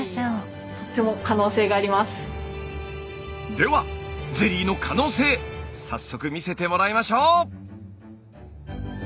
ではゼリーの可能性早速見せてもらいましょう！